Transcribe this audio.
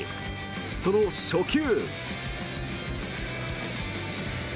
その初球。